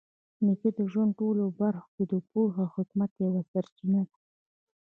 نیکه د ژوند په ټولو برخو کې د پوهې او حکمت یوه سرچینه ده.